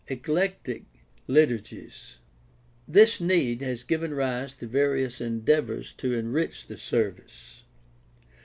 Eclectic liturgies. — This need has given rise to various endeavors to ''enrich the service."